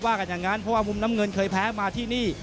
กันอย่างนั้นเพราะว่ามุมน้ำเงินเคยแพ้มาที่นี่